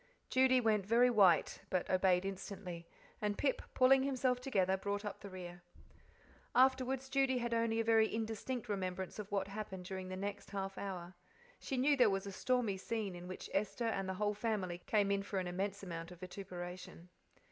Judy went very white, but obeyed instantly, and Pip, pulling himself together, brought up the rear. Afterwards Judy only had a very indistinct remembrance of what happened during the next half hour. She knew there was a stormy scene, in which Esther and the whole family came in for an immense amount of vituperation.